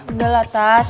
udah lah tas